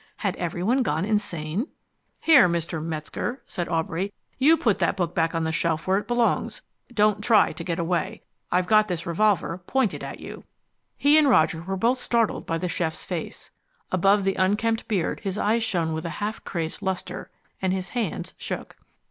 Had everyone gone insane? "Here, Mr. Metzger," said Aubrey, "you put that book back on the shelf where it belongs. Don't try to get away. I've got this revolver pointed at you." He and Roger were both startled by the chef's face. Above the unkempt beard his eyes shone with a half crazed lustre, and his hands shook.